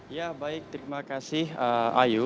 ya baik terima kasih ayu